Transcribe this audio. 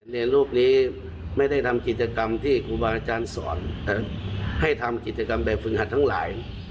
เรียนรูปนี้ไม่ได้ทำกิจกรรมที่ครูบาอาจารย์สอนให้ทำกิจกรรมแบบฝึกหัดทั้งหลาย